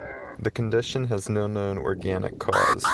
The condition has no known organic cause.